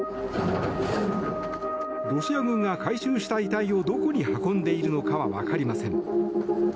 ロシア軍が回収した遺体をどこに運んでいるのかはわかりません。